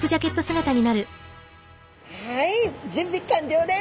はい準備完了です！